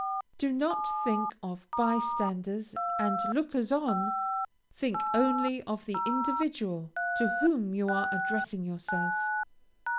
Do not think of by standers and lookers on; think only of the individual to whom you are addressing yourself.